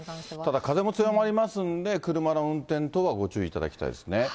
ただ風も強まりますんで、車の運転等はご注意いただきたいですね。